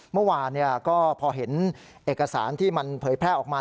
เมื่อวานก็พอเห็นเอกสารที่มันเผยแพร่ออกมา